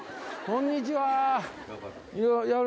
こんにちは。